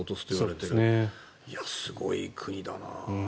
いや、すごい国だな。